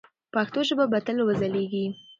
پښتو ژبه به تل وځلیږي.